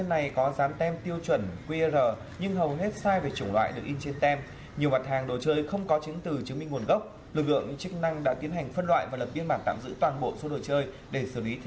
hãy đăng ký kênh để ủng hộ kênh của chúng mình nhé